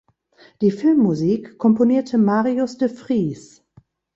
Die Filmmusik komponierte Marius de Vries.